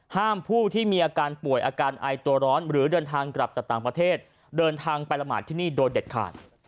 ผู้ที่มีอาการป่วยอาการไอตัวร้อนหรือเดินทางกลับจากต่างประเทศเดินทางไปละหมาดที่นี่โดยเด็ดขาด